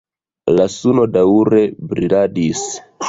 La suno daŭre briladis.